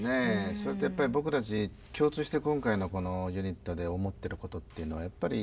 それとやっぱり僕たち共通して今回のこのユニットで思っている事っていうのはやっぱり